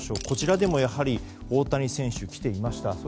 こちらでも、やはり大谷選手、来ていました。